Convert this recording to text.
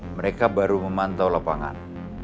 mereka baru memantau lapangan